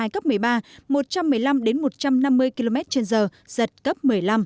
cấp một mươi ba một trăm một mươi năm một trăm năm mươi km trên giờ giật cấp một mươi năm